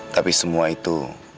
tapi semua itu